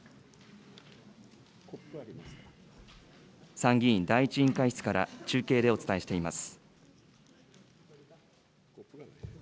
参議院第１委員会室から中継でお伝えしています。